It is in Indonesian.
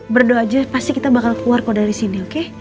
berdoa aja pasti kita bakal keluar kok dari sini oke